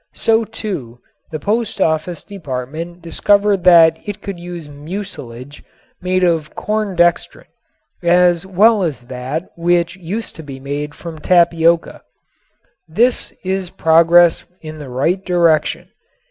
So, too, the Post Office Department discovered that it could use mucilage made of corn dextrin as well as that which used to be made from tapioca. This is progress in the right direction.